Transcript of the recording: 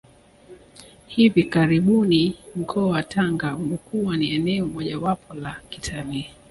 Hivi karibuni mkoa wa Tanga umekuwa ni eneo mojawapo la kitalii